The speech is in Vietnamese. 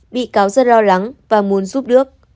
bị cáo rất lo lắng và muốn giúp đức